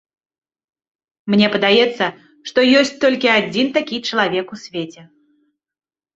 Мне падаецца, што ёсць толькі адзін такі чалавек у свеце.